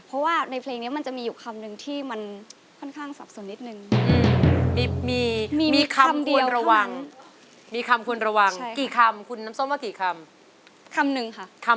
เพราะว่าในเพลงนี้มันจะมีอยู่คำนึงที่มันค่อนข้างสับสนนิดนึง